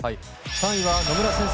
３位は野村先生